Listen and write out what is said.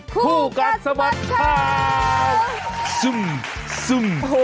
คู่กัดสบัดค่ะ๒คนในคู่กัดสบัดค่า